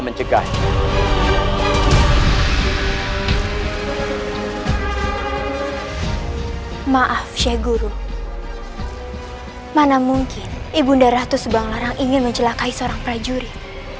mengegah maaf syekh guru mana mungkin ibunda ratus banglarang ingin mencelakai seorang prajurit